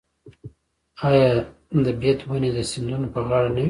آیا د بید ونې د سیندونو په غاړه نه وي؟